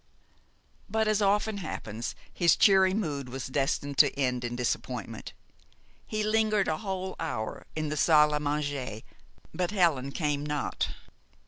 But, as often happens, his cheery mood was destined to end in disappointment. He lingered a whole hour in the salle à manger, but Helen came not.